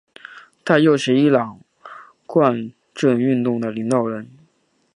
他又是伊朗宪政运动的领导人。